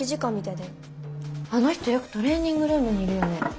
あの人よくトレーニングルームにいるよね。